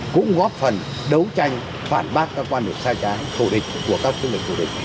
cũng góp phần đấu tranh phản bác các quan điểm sai tráng thủ địch của các chương trình thủ địch